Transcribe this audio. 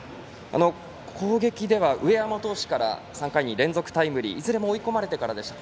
攻撃では、上山投手から３回に連続タイムリーいずれも追い込まれてからでした。